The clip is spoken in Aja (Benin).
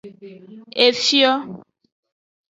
Efio.